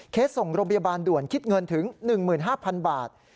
ส่งโรงพยาบาลด่วนคิดเงินถึง๑๕๐๐๐บาท